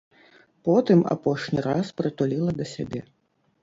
Потым апошні раз прытуліла да сябе.